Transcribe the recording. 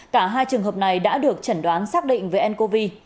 cả hai trường hợp này đã được chẩn đoán xác định về ncov